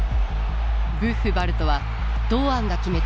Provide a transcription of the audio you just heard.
ブッフバルトは堂安が決めた